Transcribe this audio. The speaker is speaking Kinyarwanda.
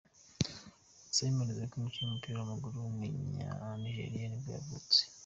Simon Zenke, umukinnyi w’umupira w’amaguru w’umunyanigeriya nibwo yavutse.